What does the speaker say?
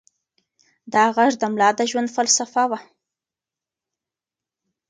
دا غږ د ملا د ژوند فلسفه وه.